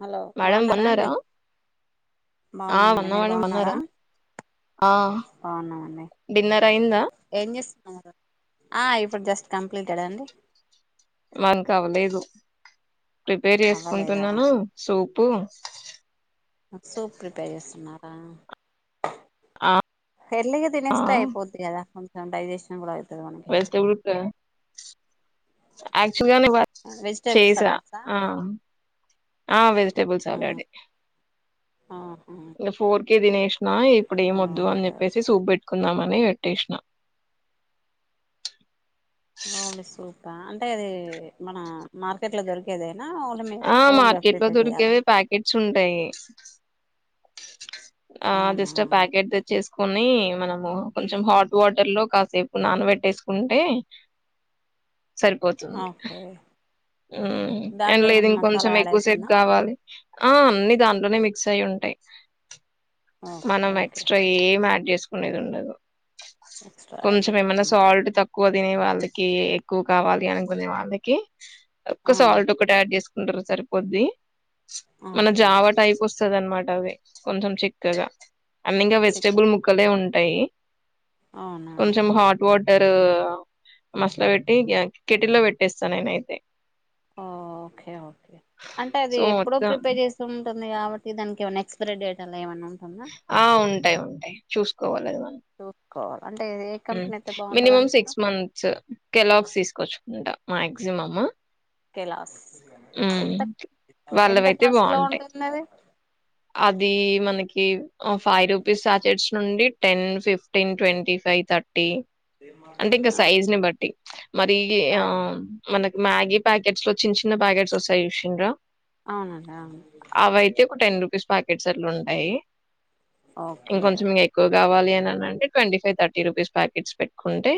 Hello madam బాగున్నారా అండి బన్నారా ఆ బాగున్నామండి బన్నా మీరు మేడం బాగున్నారా బన్నారా ఆ బాగున్నామండి డిన్నర్ అయిందా ఏం చేస్తున్నారు ఆ ఇప్పుడు జస్ట్ కంప తడా అండి మనికి కావలేదు ప్రిపేర్ అవ్వలేదా చేసుకుంటున్నాను సూప్ ప్పు సూప్ ప్రిపేర్ చేస్తున్నారా ఆ ఎర్లీగా తినస్తస్తాయిపోద్ అదా డిజెషన్ కూడా అయిది వస్త ఎడు అ గాని వెజిటేబుల్ చేసా సలాడ్సా ఆ ఆ వెజిటబుల్ ఓకే ఓకే మనే వెట్టేష్ణ ఓన్లీ సుత అంటే అది మన మార్కెట్ లో దొరికేది ఆ మార్కెట్ లో దొరికేవి ప్యాకెట్స్ ఉంటాయి [unintelligible] ఆ అది అవునా జస్ట్ ప్యాకెట్ తెచ్చే కొన్ని మనము కొంచెం హాట్ వాటర్ లో కాసేపు నానబెట్టేసుకుంటే సరిపోతుంది ఓకే ఊమ్ అండ్ దాంట్లో లేదు ఏమైనా మసాలా ఇంకొంచెం యాడ్ ఎక్కువసేపు అవుతుందా కావాలి ఆ అన్ని దాంట్లోనే మిక్స్ అయి ఉంటాయి ఓకే మనం ఓకే ఎక్స్ట్రా ఏం యాడ్ చేస్త సుకునేదుండదు ఎక్స్ట్రా యాడ్ కొంచెం ఏమన్నా చేసుకున్నా సాల్ట్ తక్కువ ఎక్కువ తినే వాళ్ళకి ఎక్కువ కావాలి అనుకునే వాళ్ళకి ఎక్కు అవును సాల్ట్ ఒకటీ యాడ్ చేసు ఉంటరు సరిపోద్ది మన ఓకే జావా టైప్ వస్ వస్తది అన్నమాట కొంచెం చిక్కగా అన్ని ఇంగ వెజిటబుల్ చికెన్ ముక్కలే ఉన్ అయి అవునా టరూ మసలా పెట్టి గ్యాస్ కెటిల్ లో పెట్టేస్త నేనయితే ఓ ఒకే ఒకే అంటే అది సో, ఎప్పుడో మొత్తం ప్రిపేర్ చేస్తాం తుంది కాబట్టి దానికి ఉన్న ఎక్స్పైరీడేట్ అ ఆ ఉంటాయి ఉంటాయి చూసుకోవాలది మనం కో హమ్ మినిమం సిక్స్ మంత్స్ కెలాగ్స్ తీసుకొచ్చుకుంట మాక్సిమం కెలాస్ ఎంత ఎంత కస్ట్ లో ఉంటుంది అది అదీ మనకి ఆ ఫైవ్ రూపీస్ అట్ జెట్స్ నుండి ten fifteen twenty five thirty అంటే ఇంకా సైజ్ ని బట్టి మరి ఆ సరే మనకి మ్యాగీ ప్యాకెట్స్ లో చిన్న చిన్న ప్యాకెట్స్ వస్తాయి చూసిండ్రా అవునండి అవును ఫిష్ పాకెట్స్ అట్లుంటాయి ఓకే ఇంకొంచెం ఇంకా ఎక్కువ కావాలి అని అంటే twenty five thirty rupees packets పెట్టుకుంటే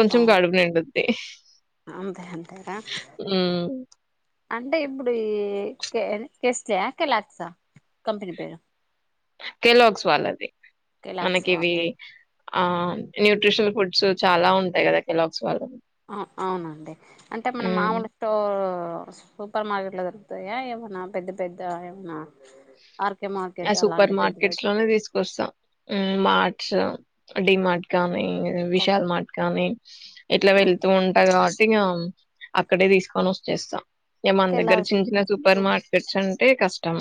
కొంచెం అవును కడుపు నిండు ది అంతే అంతేనా హ్మ్. అంటే ఇప్పుడు ఈ కే కెస్సా లేక కెలాక్సా కంపెని పేరు కెలాక్స్ వాళ్ళది కెలాక్స్ మనకి ఇవి వాళ్ళదే ఆ న్యూట్రిషనల్ ఫుడ్స్ చాలా ఉంటాయి కదా కెలాగ్స్ వాళ్ళవి. ఆ అవునండి అంటే మనం హ్మ్. మామూలుతో తో సూపర్ మార్కెట్ దొరుకుతాయి కదా ఎమన్న పెద్ద పెద్ద ఎమన్న ఆ సూపర్ మార్కెట్స్ లోనే తీసుకొస్తాం హు మా అ డిమాార్ట్ కానీ విశాల్ మార్ట్ కాని [inaudible] ఎట్లా వెళ్తూ ఉంటా కాబట్టి ట్టింగా అక్కడే తీసుకొని వచ్చేస్తా ఈగ మన ఒకేలా దగ్గర చిిన్న చిన్న సూపర్ సూప్ మార్కెట్స్ అంటే అే కష్టం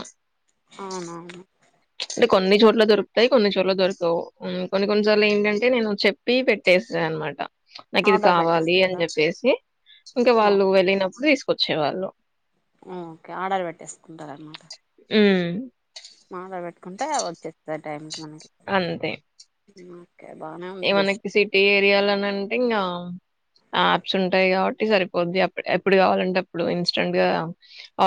అవునవును అంటే కొన్ని చోట్ల దొరుకుతాయి కొన్ని చోట్ల దొరకవు కొన్ని కొన్నిసార్లు ఏంటంటే నేను చెప్పి పెట్టేసాను అనమాట నాకు ఇది ఆర్డర్ కావాలి అని పెట్టేస్తారా చెప్పేసి ఇంకా వాళ్ళు వెళ్ళినప్పుడు చ్చే వాళ్ళు ఓకే ఆర్డర్ పెట్టేసుకుంటారన్నమాట హ్మ్. మాట పెట్టుకుంటే వచ్చేస్తది టైంకి న ఓకే బానే ఏ ఉంది డిష్ మనకి సిటీ ఏరియాాలని అంటే ఇంకా యాప్స్ ఉంటాయి కాబట్టి సరిపోతుద్ది ఎప్పుడు కావాలంటే అప్పుడు ఇన్స్టెంట్ గా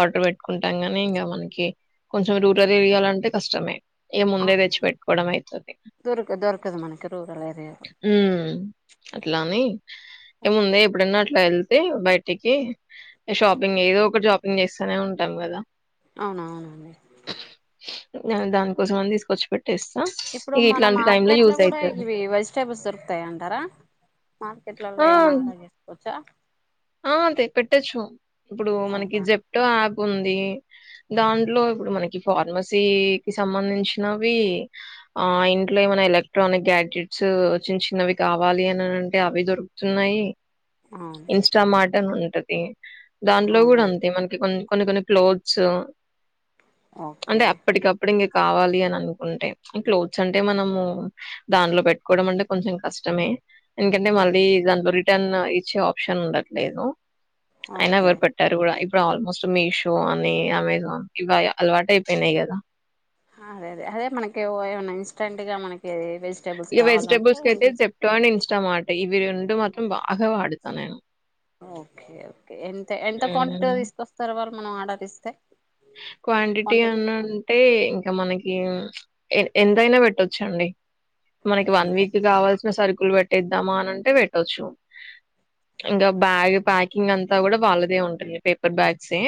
ఆర్డర్ పెట్టుకుంటాం ని ఇంకా మనకి కొంచెం రూరల్ ఏరియాలో అంటే కష్టమే ఇక ముందే తెచ్చి పెెట్టుకోవడం అవుతుంది దొరక దొరకదు మనకి రూరల్ ఏరియాలో హ అట్లాని ఏముందే ఎప్పుడనా అట్లా వె బయటికి షాపింగ్ ఏదో ఒకటి షాపింగ్ చేస్తానే ఉంటాం కదా అవునా అవునండి దానికోసం అని తీసుకొచ్చి పెట్ స్ా ఇప్పుడు ఇక ఇట్లాంటి టైమ్ లో యూజ అవుతుది స్టేబుల్స్ ఇరుతాయ అంటారా మార్కెట్లలో ఏమైనా ఆ! ఆర్డర్ చేసుకోవచ్చా ఆ అంతే పెట్టొచ్చు ఇప్పుడు మనకి అవునా జెప్టో ఉంది దాంట్లో ఇప్పుడు మనకి ఫార్మసీకిి సంబంధించినవి ఆ ఇంట్లో ఏమైనా ఎలక్ట్రానిక్ గ్యాడ్జెట్స్ చిన్న చిన్నవి కావాలి అని అంటే అవి దొరుకుతున్నాయి ఆ ఇన్స్టామార్ట్ ఉంటది దాంట్లో కూడా అంతే మనకి కొ కొన్ని కొన్ని క్లోత్స్ ఓకే అంటే అప్పటికి అప్పుటింగ్ కావాలి అని అనుకుంటే క్లోత్స్ అంటే మనము దానిలో పెట్టుకోవడం అంటే కొంచెం కష్టమే ఎంకంటే మళ్ జాబరి [unintelligible] న్ ఈచ్చ ప్షన్ ఉంట [unintelligible] లేదు అయినా ఓకే వర్పట్టారు కూడా ఇప్పుడు ఆల్మోస్ట్ మీషో అని అమెజాన్ ఇవి అలవాటు అయిపోయినాయి కదా అదే అదే అదే మనకి ఏమన్నా ఇన్స్టెంట్ గా మనకి వెజిటేబుల్స్ ఇక వెజిటేబుల్స్ అయితే కావాలంటే జెప్టో అండ్ ఇన్స్టా మార్ట్ కి ఇరుెం [unintelligible] మాత్రం బాగావాడుతనేను ఒకే ఒకే ఎంత ఎంత క్వాంటిటీగా హ్మ్. తీసుకొస్తారు వాళ్ళు మనం ఆర్డర్ ఇస్తే క్వాంటిటీ అని అంటే ఇంకా మనకి ఎంతైనా పెట్టొచ్చండి మనకి వన్ అంతే వీక్ కావలి సరుకులు పెట్టేద్దామా అనింటే పెట్టచ్చు ఇంకా బ్యాగ్ ప్యాకింగ్ అంతా కూడా వాళ్ళదే ఉంటుంది పేపర్ బాగ్సే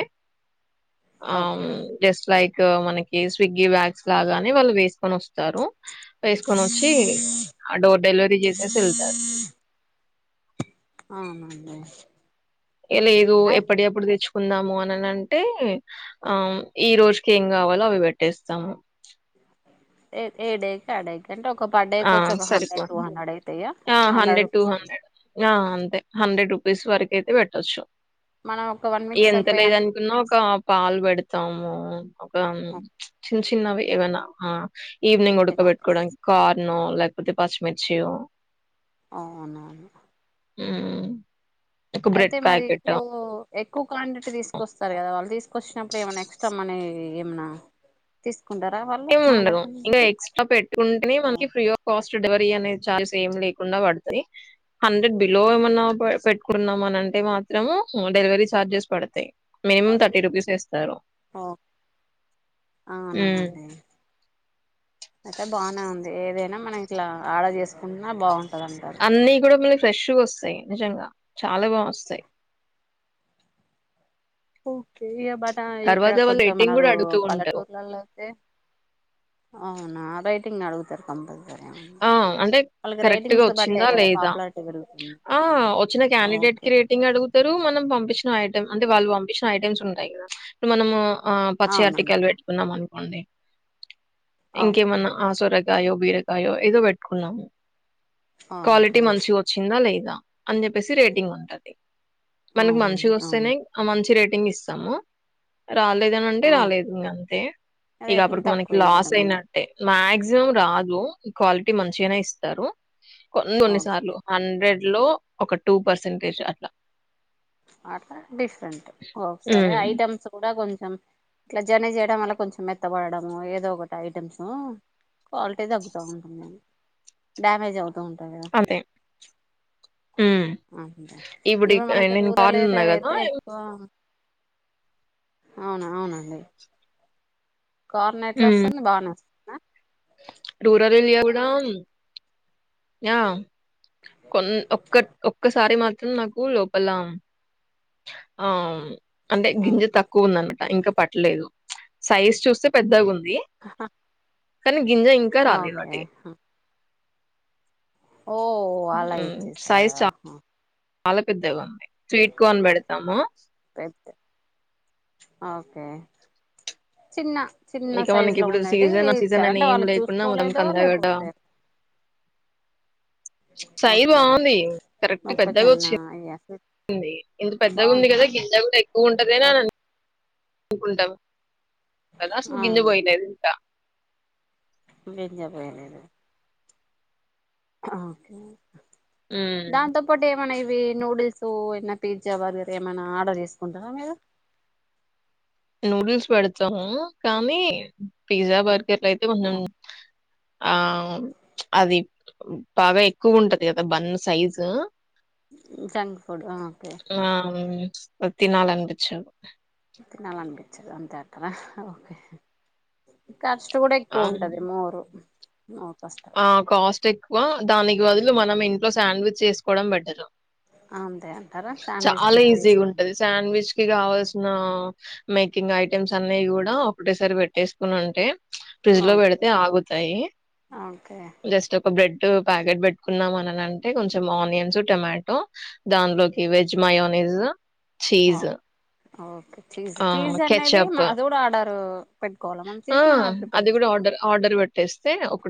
ఆ ఓకే ఓకే జస్ట్ లైక్ మనకి స్విగ్గి బ్యాగ్స్ లాగానే వాళ్ళు వేసుకొని వస్తారు వేసుకొని వచ్చి ఆ డోర్ డెలివరీ చేసేసి వెళ్తారు అవునండి ఎలా ఏదో అయి- ఎప్పుడు ఎప్పుడు తెచ్చు కుందాము అనిన అంటే ఆ ఈ రోజుకి ఏం కావాలో అవి పెట్టేస్తాము ఏడ కాడకి ఆ సరిపోడి అయితాయా హా హండ్రెడ్ టూ రూపీస్ అయితాయా హండ్రెడ్ అంతే హండ్రెడ్ రూ ఫీస్ వరకు అయితే పెట్టొచ్చు మనం ఒక వన్ వీక్ ఎంత సరిపోయేంత లేదనుకున్నా ఒక పాలు పెడు [unintelligible] ఒక ఓ, [unintelligible] చిన్నవి ఏవైన ఆ ఈవ్నింగ్ చిన్న చిన్న ఆర్డర్స్ ఉడకపెట్టుకోడన్ నో లేకపోతే పచ్చి మిర్చియో ఆ అవును అవును మ్మ్ అయితే మరి ఇప్పుడు ఎక్కువ క్వాంటిటీ తీసుకొస్తారు కదా వాళ్ళు తీసుకొచ్చినప్పుడు ఏమైనా ఎక్స్ట్రా మనీ ఏమైనా తీ ఏముండదు ఇంకా ఎక్స్ట్రా పెట్టుకుంటేనే ఓ మనకి ఫ్రీ గా కాస్ట్ డెలివరీ అనేది చార్జెస్ ఏమి లేకుండా పడతాయి హండ్రెడ్ బిలో ఏమన్నా పెట్టుకున్నాం అని అంటే మాత్రం డెలివరీ ఛార్జెస్ పడతాయి మినిమం థర్టీ రూపీస్ వేస్తారు అవునా అండి అయితే బానే ఉంది ఏదైనా మనం ఇట్లా ఆర్డర్ చేసుకుంటున్నా బాగు అన్ని కూడా [unintelligible] ఫ్రెష్ వస్తుంది నిజంగా చాలా బాగా వస్తాయి ఓకే బట్ ఇక్కడ తర్వాత వాళ్ళు కొంచెం రేటింగ్ మనరు కూడా అడుగుతూ ఉంటారు పల్లెటూరులలో అయితే అవునా రైట్ [unintelligible] అడుగుతారు కొందరూ ఆ అంటే కరెక్ట్గా బట్టే వచ్చిందా కదా లేదా పాపులారిటీ పెరుగుతుంది ఆ వచ్చిన క్యాండిడేట్ కి ఓకే రేటింగ్ అడుగుతారు మనం పంపించిన ఐ అంటే వాళ్ళు పంపించిన ఐటమ్స్ ఉంటాయి కదా ఇప్పుడు మనము ఆ పచ్చి అవునండి ఆర్టికాలు పెట్టుకున్నాం అను అండి ఓకే ఇంకేమన్నా అసోరక్ [unintelligible] అయ్యో ఏదో పెట్టుకున్నాము క్వాలిటీ ఓకే మంచి వచ్చిందా లేద్ అని చెప్పేసి రేటింగ్ ఉంటది మనకి మంచిగా అవునండి అవును వస్తేనే ఆ మంచి రేట్ రేటింగ్ ఇస్తాము రాలేదనంటే ఆ. రాలేదు ఇగా అంతే ఇక రేటింగ్ అప్పటికి మనకి తక్కువ లాస్ ఇవ్వడమే అయినట్టే మక్స్ క్సిమం రాదు క్వాలిటీ మంచిగానే ఇస్తారు కొన్ని కొన్ని ఓకే సార్లు హండ్రెడ్ లో ఒక టూ పర్సెంటేజ్ అట్లా హ్మ్. ఐటమ్స్ కూడా కొంచెం ఇట్లా జర్నీ చేయడం వల్ల కొంచెం మెత్తబడడము ఏదో ఒకటి ఐటమ్స్ క్వాలిటీ తగ్గుతూ ఉంటుందిండి డ్యామేజ్ అవుతు అంతే. [unintelligible] హ్మ్. ఇప్పుడు ఇవ ఇక మనకి నేను రూరల్ కార్న్ ఉన్నా ఏరియాలో కదా అయితే ఎక్కువ అవునా అవునండి కార్న ఎట్లా ఉమ్ వస్తుంది బాగానే ఆ రూరల్ [unintelligible] యా కొన్ ఒక్క ఒక్కసారి మా [unintelligible] లోపల ఆ అంటే ఉమ్, గింజ తక్కువ ఉండండి ఇంకా పట్టలేదు సైజ్ చూస్తే పెద్దగా ఉంది ది కానీ గింజ ఇంకా ఆ, రాలే ఓకే వాటి ఓ అలా సైజ్ ఇచ్చేసారా చాలా పెద్దగా ఉంది స్వీట్కర్ పెడతాము పెద్ద ఓకే చిన్న చిన్న ఇక సైజు మనకి లో ఇప్పుడు ఉన్నటి సీజన్ ఆ సీజన్ ఇచ్చారు అని అంటే ఏం వాళ్ళు లేకున మొదం చూసుకోలేదో కందా గడ్డ లేకపోతే సై ఓకే బాగుంది కరెక్ట్ పెద్దగా మొక్కజొన్న వచ్చి అయ్యా ఉంది ఇంత పెద్దగా ఉంది బాగుంది కదా గింజ కూడా ఎక్కువ ఉంటదని అని అ నుకుంటం కదా అసలు గింజ అవును [unintelligible] గింజ పోయలేదు ఓకే హ్మ్. దాంతోప్పటే ఏమనా ఇవి నూడిల్స్ ఏన్న పిజ్జా బర్గర్ ఏమైనా ఆర్డర్ చేసుకుంటారా మీరు నూడిల్స్ పెడతాము కానీ పిజ్జా బర్గర్లు అయితే కొం ఆ అది బాగా ఎక్కువ ఉంటది కదా bun size junk food okay వ తినాలి అనిపించవు తినాలి అనిపించదు అంతే అంటారా ఓకే ఖర్చు కూడా ఎక్కువ ఆహ్, ఉంటది మోరు మోర్ కష్టం ఆ కాస్ట్ ఎక్వ దానికి బదులు మనం ఇంట్లో సాండ్విచ్ చేసుకోవడం బెటరు అంతే అంటారా శాండ్విచ్ చాలా ప్రిపేర్ చేస్త ఈజీగా ఉంటది శాండ్విచ్ కి కావల్సిన మేకింగ్ ఐటెమ్స్ అన్నవి కూడా ఒకటేసారి పెట్టేసుకుని ఉంటే ఫ్రిడ్జ్ లో పెడితే ఆగుతాయి ఓకే జస్ట్ ఒక బ్రే బ్రెడ్ ప్యాకెట్ పెట్టుకున్నాం అన అంటే కొంచెం ఆనియన్స్ టొమాటో దానిలోకి veg mayonnaise cheese okay cheese ఆ చీజ్ అనేది కెచప్ అది కూడా ఆర్డర్ పెట్టుకోవాలి మన ఆ చీజ్ మనం ఎప్పుడు పెట్ంచుకోవాలి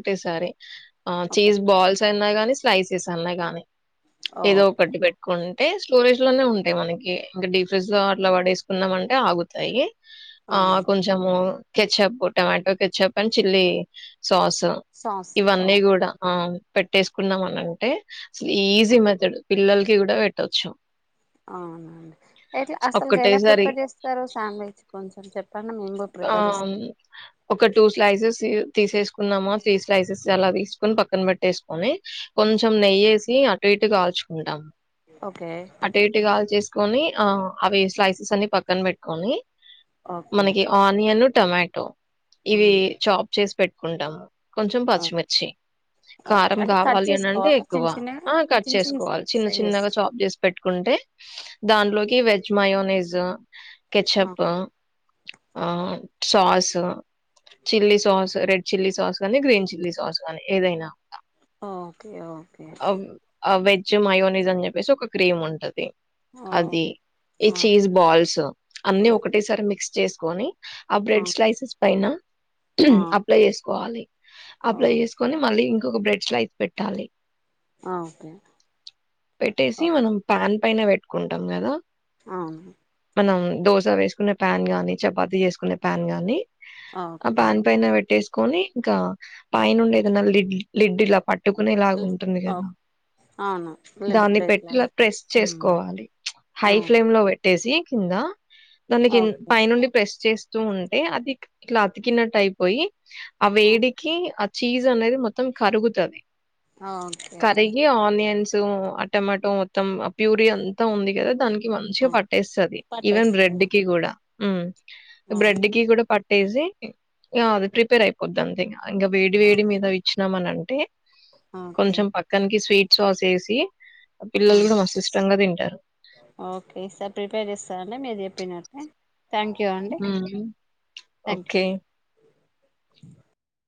ట్టే సారే ఆ చీజ్ బాల్స్ అయిన కాని సైజెస్ అన్నా కాగానీ ఓ ఏదో కడ్టి పెట్టుకోండి ఏ స్టోరేజ లోనే ఉంటాయి మనకి ఇంకా డిఫ్రిజ్ లో అట్లా పడే కున్నాంమంటే ఆగుతాయి ఆ అవును కొంచము ketchup tomato ketchup and chilli sauce sauce ఓ ఇవన్నీ కూడా ఆ పెట్టేసుకున్నాం అని అంటే ఈజీ మెథడు పిల్లలకి కూడా పెట్టవచ్చు అవు ఎట్లా అసలు గ ఒక్కటేసారి ప్పటి చేస్తారు శాండ్విచ్ కొంచెం చెప్ప ఆ ఒక టూ స్లైసెస్ తీసేసుకున్నామా త్రీ స్లైసెస్ అలా తీసుకుని పక్కన పెట్టేసుకొని కొంచెం నెయ్యేసి అటు ఇటు కాల్చుకుంటాము ఓకే అటు ఇటు కాల్ చేస్త కొని ఆ అవి స్లైసెస్ అన్ని పక్కన పెట్టుకొని ఓకే మనకి ఆనియన్ టమాటో ఇవి ఉమ్, చాప్ చేసి పెట్టుకుంటాము కొంచెం ఆ, పచ్చిమిర్చి ఓకే కారం అంటే కట్ కావాలి అనింటే చేసుకోవాలా ఎక్కువ చిన్న చిన్నగా ఆ కట్ చిన్న చేసుకోవాలి చిన్న సైజెస్ చిన్నగా చాప్ చేసి పెట్టుకుంటే దాంట్లోకి ఈ వెజ్ మయోనిస్ కెచ్చప్ ఆ sauce chilli sauce red chilli sauce కాగానీ గ్రీన్ చిల్లీ సాస్ కాగాని ఏదైనా ఓకే ఓకే వచ్చి మయోనిజ అనీ చెప్పేసి ఒక క్రీమ్ ఉంటది ఓ, అది ఈ ఆ, చీజ్ బాల్స్ అన్ని ఆ, ఒకటె సారి మిక్స్ చేస్త కోనీ ఆ బ్రెడ్ స్లైసెస్ పైనా ఆ, అప్లై చేసుకోవాలి ఓ, అప్లై చేసుకొని మళ్ళీ ఇం ఒక బ్రెడ్ స్లైస్ పెట్టాలి ఓకే పెట్టేసి ఓ, మనం పాన్ పైన పెట్టుకుంటాం కదా అవును మనం దోస వేసుకునే ప్యాన్ గానీ చపాతి చేసుకునే ప్యాన్ గాని ఆ ఓకే పాన్ పైన పెట్టేసు కొని ఇంకా పాయ నుండి ఏదైనా లిడ్ లిడ్ ఇలా పట్ పెట్టుకునేలాగా లెడ్ ఉంటుంది కదా ఓకే అవును లెడ్ దాన్ని ప్లేట్ పెట్టిలా లాగా ప్రెస్ ఉమ్, చేసుకోవాలి హై నో ఫ్లేమ్ లో పెట్ ట్టేసి కింద దన్నికి ఓకే పై నుండి చేస్తూ ఉంటే అది ఇట్లా అతికినట్టు అయిపోయి ఆ ఓ, వేడికి చీజ్ అనేది మొత్తం కరుగుతది ఓకే కరిగి అనియన్స్ ఆ టమాటో మొత్తం ప్యూరి అంతా ఉంది కదా దానికి మంచిగా ఓకే పట్టేస్తది. ఈవెన్ పట్టేస్తాను బ్రెడ్ కి కూడా హ్మ్ బ్రెడ్కి కూడా పట్ డేజీ ఇగా అది ప్రిపేర్ అయిపోతాంది. ఇగా ఇంకా వేడి వేడి మీద ఇచ్ ఇద్దాం మన అంటే ఓకే కొంచెం పక్కన్ కి స్వీట్ సాస్ వేసి ఓకే సార్ ప్రిపేర్ చేస్తానండి మీరు చెప్పినట్ ఆ హ్మ్ థ్యాంక్ యూ. ఓకే